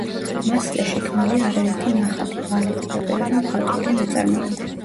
მასზე შექმნილია არაერთი ნახატი, ბალეტი, ოპერა და მხატვრული ნაწარმოები.